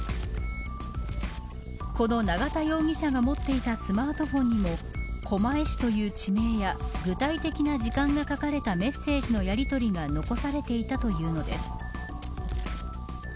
この永田容疑者が持っていたスマートフォンにも狛江市という地名や具体的な時間が書かれたメッセージのやりとりが残されていたというのです。